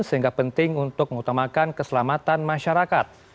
sehingga penting untuk mengutamakan keselamatan masyarakat